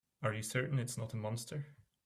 Are you certain it's not a monster?